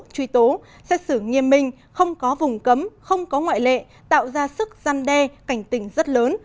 truy tố xét xử nghiêm minh không có vùng cấm không có ngoại lệ tạo ra sức gian đe cảnh tình rất lớn